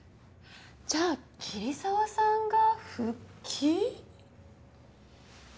じゃあ桐沢さんが復帰？